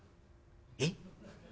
「えっ？